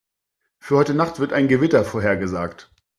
Für heute Nacht wird ein Gewitter vorhergesagt.